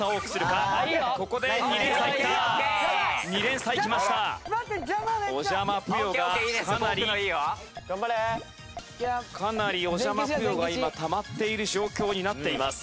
かなりおじゃまぷよが今たまっている状況になっています。